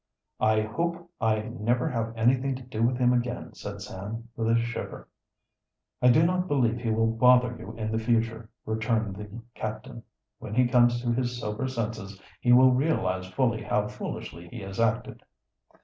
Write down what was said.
"I hope I never have anything to do with him again," said Sam, with a shiver. "I do not believe he will bother you in the future," returned the captain. "When he comes to his sober senses he will realize fully how foolishly he has acted."